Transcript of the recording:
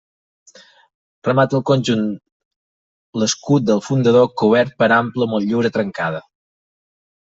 Remata el conjunt l'escut del fundador, cobert per ampla motllura trencada.